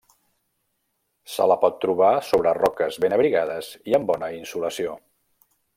Se la pot trobar sobre roques ben abrigades i amb bona insolació.